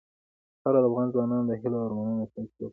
خاوره د افغان ځوانانو د هیلو او ارمانونو استازیتوب کوي.